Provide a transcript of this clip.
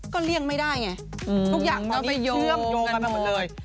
ก็เลี่ยงไม่ได้ไงทุกอย่างมันก็ไปเชื่อมโยงกันไปหมดเลย